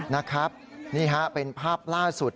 นะครับนี่ฮะเป็นภาพล่าสุด